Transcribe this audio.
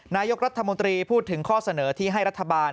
นายกรัฐมนตรีพูดถึงข้อเสนอที่ให้รัฐบาล